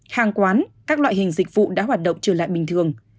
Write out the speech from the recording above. hàng quán các loại hình dịch vụ đã hoạt động trở lại bình thường